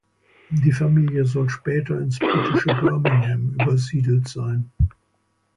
Die Familie soll später ins britische Birmingham übersiedelt sein.